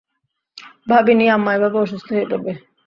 ভাবিনি আম্মা এভাবে অসুস্থ হয়ে পড়বে।